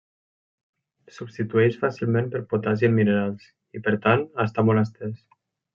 Substitueix fàcilment per potassi en minerals, i per tant està molt estès.